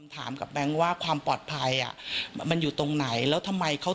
ถามกับแบงค์ว่าความปลอดภัยอ่ะมันอยู่ตรงไหนแล้วทำไมเขา